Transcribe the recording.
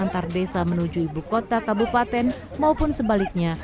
antar desa menuju ibu kota kabupaten maupun sebaliknya